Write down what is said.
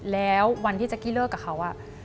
แล้ววันที่แจ๊กกี้เลิกกับเขา